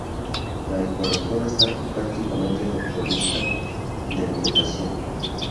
La ecorregión está prácticamente desprovista de vegetación.